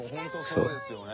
そうですよね。